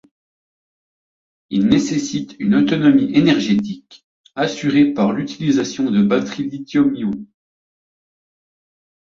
Ils nécessitent une autonomie énergétique, assurée par l'utilisation de batteries lithium-ion.